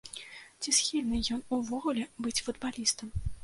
Ці схільны ён увогуле быць футбалістам.